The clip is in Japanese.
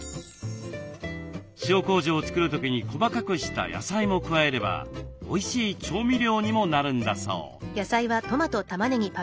塩こうじを作る時に細かくした野菜も加えればおいしい調味料にもなるんだそう。